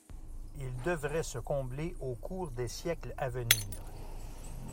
Il devrait se combler au cours des siècles à venir.